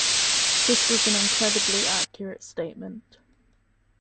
This was an incredibly accurate statement.